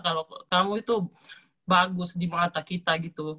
kalau kamu itu bagus di mata kita gitu